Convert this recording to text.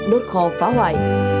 đốt khó phá hoại